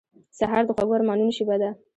سهار د خوږو ارمانونو شېبه ده.